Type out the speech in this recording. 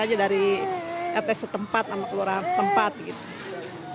aja dari rt setempat sama kelurahan setempat gitu